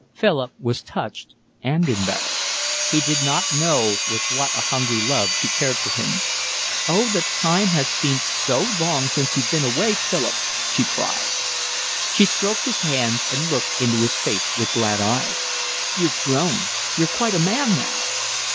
Philip was touched and embarrassed; he had not known with what a hungry love she cared for him. "Oh, the time has seemed long since you've been away, Philip," she cried. She stroked his hands and looked into his face with glad eyes. "You've grown. You're quite a man now."